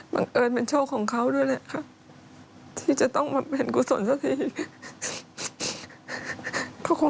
บังเอิญเป็นโชคของเขาด้วยแหละครับ